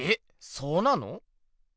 そうなの？